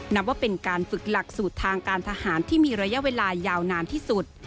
นับว่าเป็นการฝึกหลักสูตรทางการทหารที่มีระยะเวลายาวนานที่สุด